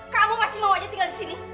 kamu masih mau aja tinggal disini